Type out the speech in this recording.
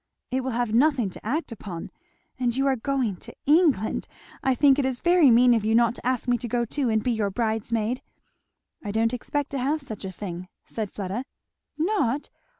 "It will have nothing to act upon! And you are going to England! I think it is very mean of you not to ask me to go too and be your bridesmaid." "I don't expect to have such a thing," said Fleda. "Not?